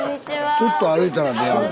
ちょっと歩いたら出会う。